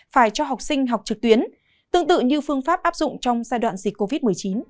phải cho học sinh học trực tuyến tương tự như phương pháp áp dụng trong giai đoạn dịch covid một mươi chín